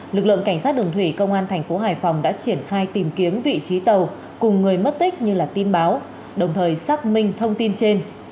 lực lượng cảnh sát đường thủy công an thành phố hải phòng đã triển khai tìm kiếm vị trí tàu cùng người mất tích như tin báo đồng thời xác minh thông tin trên